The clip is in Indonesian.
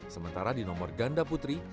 sementara di nomor ganda putri